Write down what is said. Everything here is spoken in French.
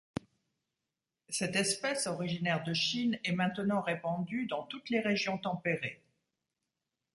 Cette espèce originaire de Chine est maintenant répandue dans toutes les régions tempérées.